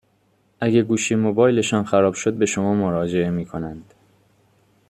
اگه گوشی موبایلشان خراب شد به شما مراجعه می کنند،